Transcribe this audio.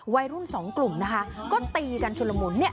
วัยรุ่นสองกลุ่มนะคะก็ตีกันชุดละมุนเนี่ย